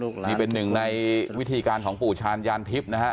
นี่เป็นหนึ่งในวิธีการของปู่ชาญยานทิพย์นะฮะ